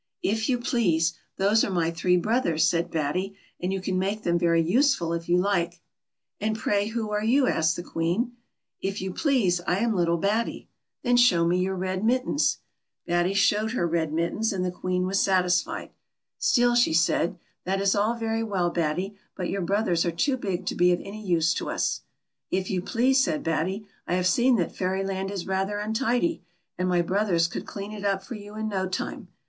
" If you please, those are my three brothers," said Batty ;" and you can make them very useful if you like." " And pray who are you }" asked the Queen, " If you please I am little Batty." ' Then show me your red mittens." FATTY. 207 Batty showed her red mittens, and the Oucen was satisfied. Still she said, " That is all very well, Batty ; but your brothers are too big to be of any use to us.'* " If } ou please," said Ratty, "I liave seen that Fairy land is rather untid\ , and my brothers could clean it up for you in no time.